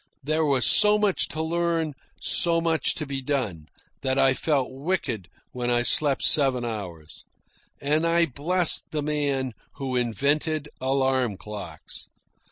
There was so much to learn, so much to be done, that I felt wicked when I slept seven hours. And I blessed the man who invented alarm clocks.